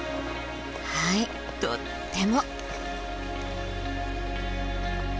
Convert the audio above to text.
はいとっても。